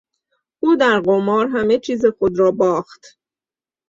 او در قمار همه چیز خود را باخت.